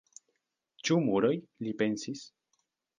"Ĉu muroj?" li pensis.